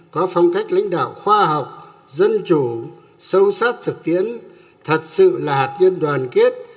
có phong cách lãnh đạo khoa học dân chủ sâu sắc thực tiễn thật sự là hạt nhân đoàn kết